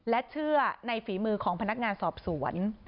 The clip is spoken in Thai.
และเชื่อในฝีมือของพนักงานสอบสวน